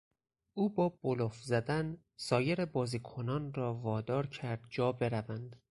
او با بلوف زدن سایر بازیکنان را وادار کرد جا بروند.